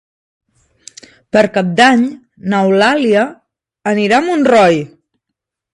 Per Cap d'Any n'Eulàlia anirà a Montroi.